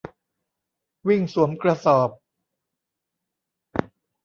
วิ่งสวมกระสอบ